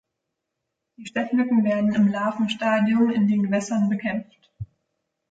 Die Stechmücken werden im Larvenstadium in den Gewässern bekämpft.